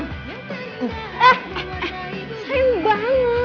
eh eh eh sayang banget